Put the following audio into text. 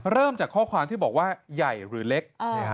เริ่มจากข้อความที่บอกว่าใหญ่หรือเล็ก